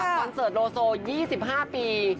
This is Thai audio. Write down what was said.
คอนเสิร์ตโลโซ๒๕ปี